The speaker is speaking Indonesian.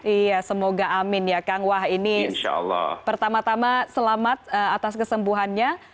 iya semoga amin ya kang wah ini pertama tama selamat atas kesembuhannya